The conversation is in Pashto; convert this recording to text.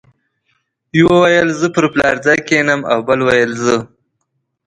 یو ویل زه پر پلار ځای کېنم او بل ویل زه.